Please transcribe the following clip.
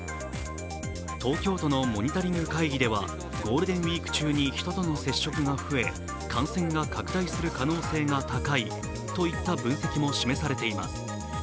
東京都のモニタリング会議ではゴールデンウイーク中に人との接触が増え感染が拡大する可能性が高いといった分析も示されています。